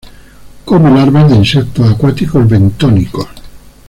Come larvas de insectos acuáticos bentónicos.